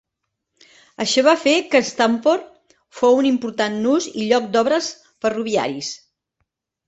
Això va fer que Stratford fou un important nus i lloc d'obres ferroviaris.